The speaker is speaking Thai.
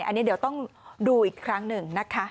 อันนี้เดี๋ยวต้องดูอีกครั้งหนึ่งนะคะ